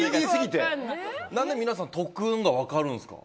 何で皆さんトクンが分かるんですか？